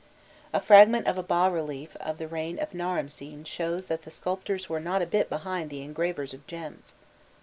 A fragment of a bas relief of the reign of Naramsin shows that the sculptors were not a bit behind the engravers of gems.